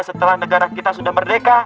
setelah negara kita sudah merdeka